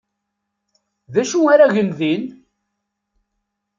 D acu ara gen din?